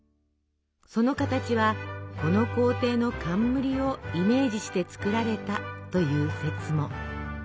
その形はこの皇帝の冠をイメージして作られたという説も。